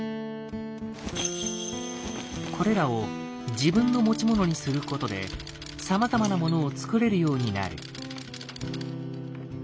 これらを自分の持ち物にすることでさまざまなものを作れるようになる。